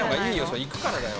それ行くからだよ。